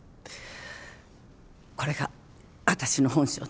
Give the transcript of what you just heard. これが私の本性ね。